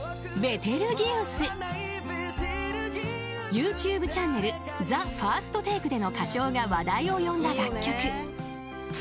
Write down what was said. ［ＹｏｕＴｕｂｅチャンネルＴＨＥＦＩＲＳＴＴＡＫＥでの歌唱が話題を呼んだ楽曲］